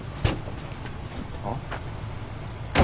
あっ？